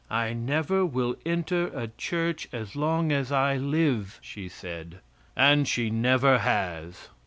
"I never will enter a church as long as I live!" she said, and she never has.